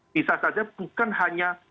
bisa saja bukan hanya